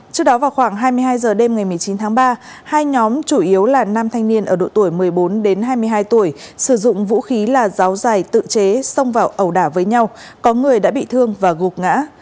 trước đó vào khoảng hai mươi hai h đêm ngày một mươi chín tháng ba hai nhóm chủ yếu là nam thanh niên ở độ tuổi một mươi bốn đến hai mươi hai tuổi sử dụng vũ khí là giáo dài tự chế xông vào ẩu đả với nhau có người đã bị thương và gục ngã